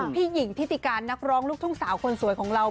พี่หญิงทิติการนักร้องลูกทุ่งสาวคนสวยของเรา